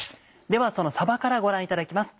ではそのさばからご覧いただきます。